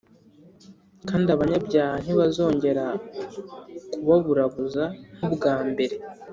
Kandi abanyabyaha ntibazongera kubaburabuza nk’ubwa mbere,